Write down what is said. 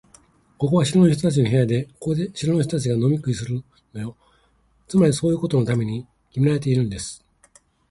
ここは城の人たちの部屋で、ここで城の人たちが飲み食いするのよ。つまり、そういうことのためにきめられているんです。